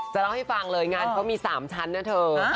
จะเล่าให้ฟังเลยงานเขามี๓ชั้นนะเธอ